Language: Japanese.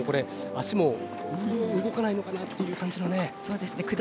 足も動かないのかなという感じもね。